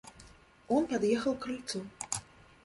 Он подъехал к крыльцу.